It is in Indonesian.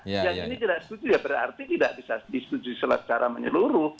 yang ini tidak setuju ya berarti tidak bisa disetujui secara menyeluruh